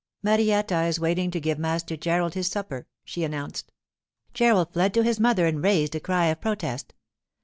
'Marietta is waiting to give Master Gerald his supper,' she announced. Gerald fled to his mother and raised a cry of protest.